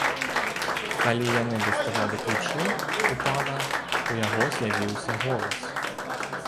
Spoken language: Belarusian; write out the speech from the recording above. Калі яны даставалі ключы ў пана, у яго з'явіўся голас.